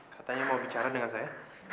katanya mau bicara dengan saya